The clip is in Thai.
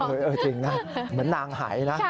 เออจริงนะเหมือนนางหายนะ